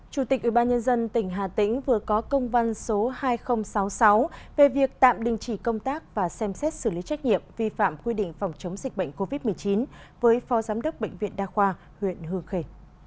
chủ tịch ubnd tỉnh hà tĩnh vừa có công văn số hai nghìn sáu mươi sáu về việc tạm đình chỉ công tác và xem xét xử lý trách nhiệm vi phạm quy định phòng chống dịch bệnh covid một mươi chín với phó giám đốc bệnh viện đa khoa huyện hương khề